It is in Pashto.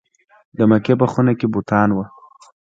د مکې په خونه کې بوتان وو.